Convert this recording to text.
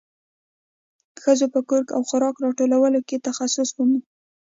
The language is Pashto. ښځو په کور او خوراک راټولولو کې تخصص وموند.